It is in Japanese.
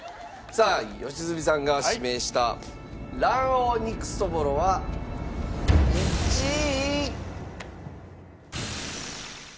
さあ良純さんが指名した卵黄肉そぼろは１位。